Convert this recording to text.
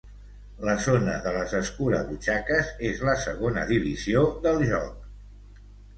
La zona de les escurabutxaques és la segona divisió del joc.